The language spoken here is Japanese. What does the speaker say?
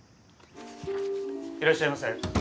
・いらっしゃいませ。